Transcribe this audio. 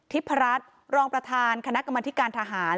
ที่พระรัฐรองประธานคณกรมติการทหาร